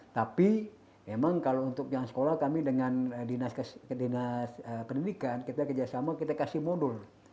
tapi memang kalau untuk yang sekolah kami dengan dinas pendidikan kita kerjasama kita kasih modul